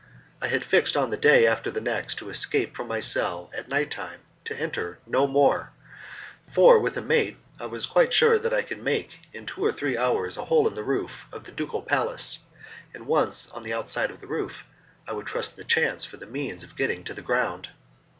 I had fixed on the day after the next to escape from my cell at night time to enter no more, for with a mate I was quite sure that I could make in two or three hours a hole in the roof of the ducal palace, and once on the outside of the roof I would trust to chance for the means of getting to the ground.